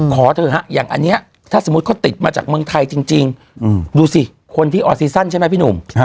ขอเถอะฮะอย่างอันนี้ถ้าสมมุติเขาติดมาจากเมืองไทยจริงดูสิคนที่ออซีซั่นใช่ไหมพี่หนุ่ม